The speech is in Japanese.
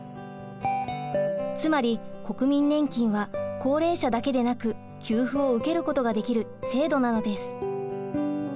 つまり国民年金は高齢者だけでなく給付を受けることができる制度なのです。